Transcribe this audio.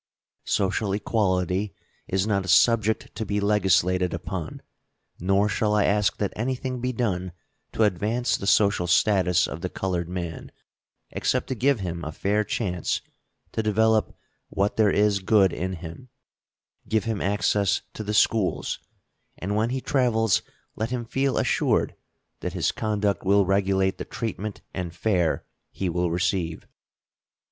Social equality is not a subject to be legislated upon, nor shall I ask that anything be done to advance the social status of the colored man, except to give him a fair chance to develop what there is good in him, give him access to the schools, and when he travels let him feel assured that his conduct will regulate the treatment and fare he will receive.